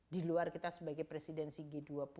di luar kita sebagai presidensi g dua puluh